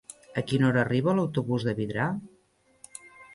A quina hora arriba l'autobús de Vidrà?